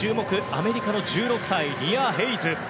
アメリカの１６歳リア・ヘイズ。